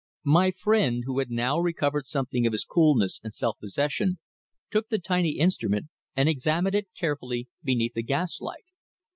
My friend, who had now recovered something of his coolness and self possession, took the tiny instrument and examined it carefully beneath the gas light.